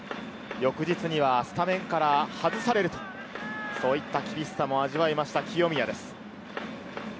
翌日にはスタメンから外されるという、そういった厳しさも味わいました、清宮です。